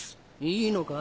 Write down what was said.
いいのか？